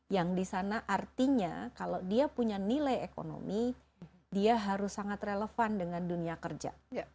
yang di sana artinya kalau dia punya nilai ekonomi dia harus sangat relevan dengan dunia kerja